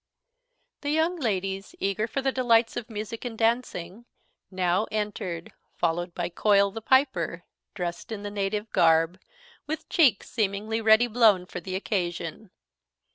The young ladies, eager for the delights of music and dancing, now entered, followed by Coil, the piper, dressed in the native garb, with cheeks seemingly ready blown for the occasion.